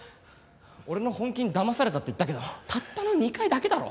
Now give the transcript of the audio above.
俺の本気にだまされたって言ったけどたったの２回だけだろ。